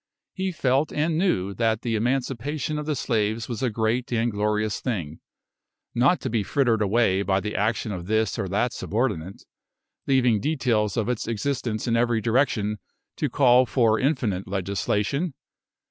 He felt and knew that the emancipation of the slaves was a great and glorious thing, not to be frittered away by the action of this or that subordinate, leaving details of its existence in every direction to call for infinite legislation.